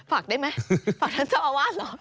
ฝากได้ไหมฝากท่านเจ้าอาวาสเหรอ